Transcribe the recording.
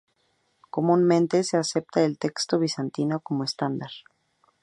Comúnmente se acepta el texto bizantino como estándar.